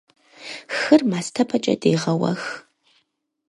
Хыр мастэпэкӀэ дегъэуэх.